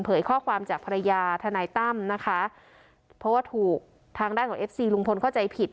ข้อความจากภรรยาทนายตั้มนะคะเพราะว่าถูกทางด้านของเอฟซีลุงพลเข้าใจผิด